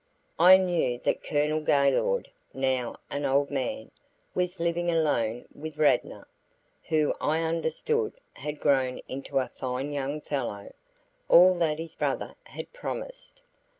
I knew that Colonel Gaylord, now an old man, was living alone with Radnor, who I understood had grown into a fine young fellow, all that his brother had promised.